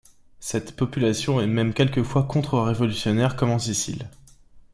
Cette population est même quelques fois contre-révolutionnaire comme en Sicile.